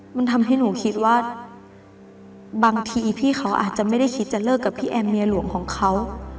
มันทำให้หนูคิดว่าบางทีพี่เขาอาจจะไม่ได้คิดจะเลิกกับพี่แอมเมียหลวงของเขา